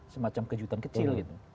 semacam kejutan kecil